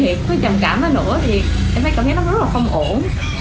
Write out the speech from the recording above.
thì em mới cảm thấy nó rất là không ổn